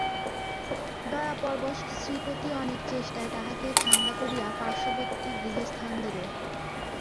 দয়াপরবশ শ্রীপতি অনেক চেষ্টায় তাহাকে ঠাণ্ডা করিয়া পার্শ্ববর্তী গৃহে স্থান দিল।